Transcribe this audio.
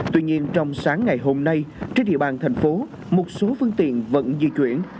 tuy nhiên trong sáng ngày hôm nay trên địa bàn thành phố một số phương tiện vẫn di chuyển